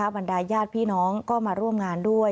บรรยายาท๑๘๙๐ก็มาร่วมงานด้วย